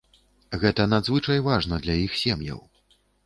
Гэта надзвычай важна для іх сем'яў.